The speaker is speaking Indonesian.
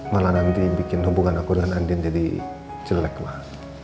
malah nanti bikin hubungan aku dengan andin jadi jelek lah